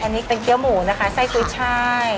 อันนี้เป็นเกี้ยวหมูนะคะไส้กุ้ยช่าย